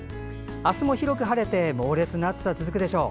明日も広く晴れて猛烈な暑さが続くでしょう。